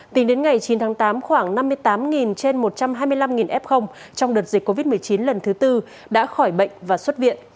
tính đến ngày chín tháng tám khoảng năm mươi tám trên một trăm hai mươi năm f trong đợt dịch covid một mươi chín lần thứ tư đã khỏi bệnh và xuất viện